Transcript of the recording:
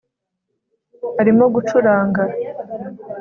Arimo gucuranga